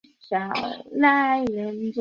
下载期限